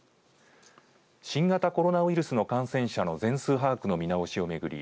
新型コロナウイルスの感染者の全数把握の見直しを巡り